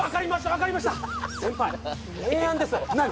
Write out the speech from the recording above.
分かりました先輩名案です何？